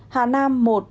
một hà nam